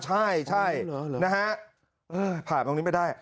ใช่ใช่นะฮะ